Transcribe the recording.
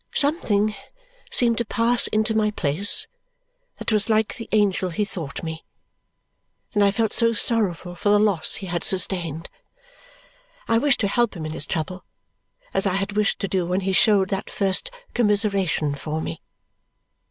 Something seemed to pass into my place that was like the angel he thought me, and I felt so sorrowful for the loss he had sustained! I wished to help him in his trouble, as I had wished to do when he showed that first commiseration for me.